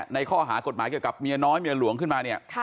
ในข้อหากฎหมายเกี่ยวกับเมียน้อยเมียหลวงขึ้นมาเนี่ย